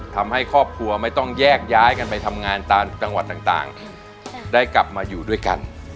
ทำให้ครอบครัวไม่ต้องแยกย้ายกันไปทำงานตามจังหวัดต่างได้กลับมาอยู่ด้วยกัน